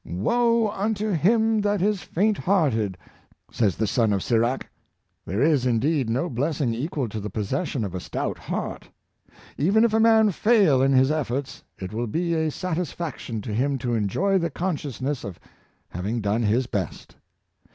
" Woe unto him that is faint hearted," says the son of Sirach. There is, indeed, no blessing equal to the possession of a stout heart. Even if a man fail in his efforts, it will be a sat isfaction to him to enjoy the consciousness of having done his best.